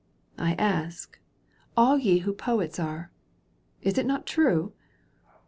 ^ I ask, all ye who poets are. Is it not true ?